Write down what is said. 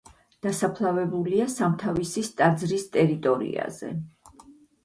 დასაფლავებულია სამთავისის ტაძრის ტერიტორიაზე.